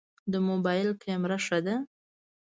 د موبایل کمره ښه ده؟